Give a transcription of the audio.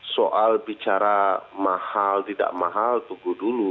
soal bicara mahal tidak mahal tunggu dulu